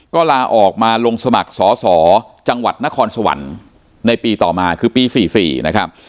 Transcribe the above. ก็ลาออกมาลงสมัครสอสอจังหวัดนครสวรรค์ในปีต่อมาคือปี๔๔นะครับ